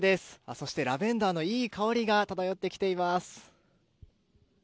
そしてラベンダーのいい香りが漂ってきています。